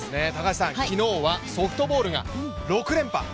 昨日はソフトボールが６連覇。